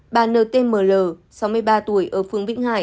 bà n t m l sáu mươi ba tuổi ở phường vĩnh hải